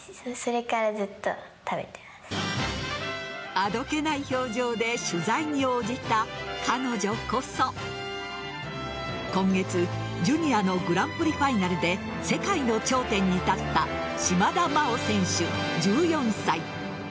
あどけない表情で取材に応じた彼女こそ今月、ジュニアのグランプリファイナルで世界の頂点に立った島田麻央選手、１４歳。